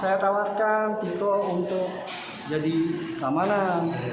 saya tawarkan tito untuk jadi keamanan